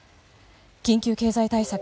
緊急経済対策